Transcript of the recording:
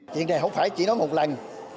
chuyện này không phải chỉ nói một lần